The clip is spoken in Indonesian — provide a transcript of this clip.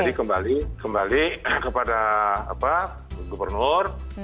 jadi kembali kepada apa gubernur